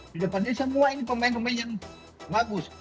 di depannya semua ini pemain pemain yang bagus